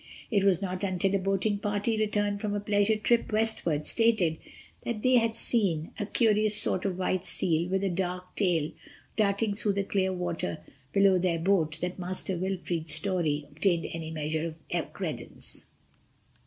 It was not until a boating party returning from a pleasure trip westward stated that they had seen a curious sort of white seal with a dark tail darting through the clear water below their boat that Master Wilfred's story obtained any measure of credence.